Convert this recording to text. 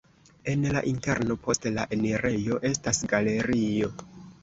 En la interno post la enirejo estas galerio.